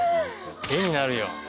絵になるよ。